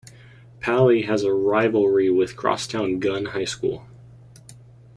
Paly has a rivalry with crosstown Gunn High School.